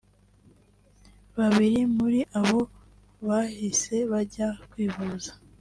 Babiri muri abo bahise bajya kwivuza